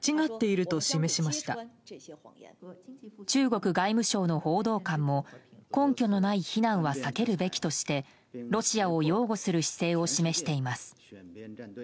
中国外務省の報道官も根拠のない非難は避けるべきとしてロシアを擁護する姿勢を示しています。